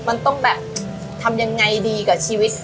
มันต้องแบบทำยังไงดีกับชีวิต